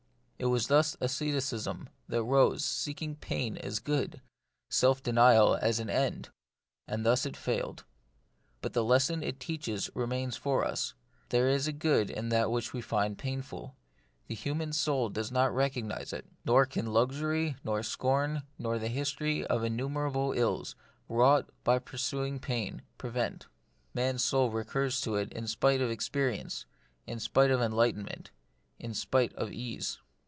It was thus asceticism arose, seeking pain as good, self denial as an end ; and thus it failed. But the lesson it teaches remains for us. There is good in that which we find painful : the human soul does and will recog nise it ; nor can luxury, nor scorn, nor the history of innumerable ills wrought by pursu ing pain, prevent. Man's soul recurs to it in spite of experience, in spite of enlightenment, in spite of ease.